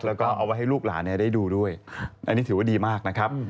แล้วก็เอาไว้ให้ลูกหลานได้ดูด้วยอันนี้ถือว่าดีมากนะครับ